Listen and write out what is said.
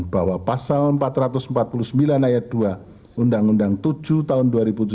bahwa pasal empat ratus empat puluh sembilan ayat dua undang undang tujuh tahun dua ribu tujuh belas